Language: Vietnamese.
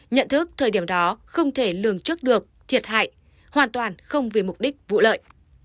nhận thức thời điểm đó không thể lường trước được thiệt hại hoàn toàn không vì mục đích vụ lợi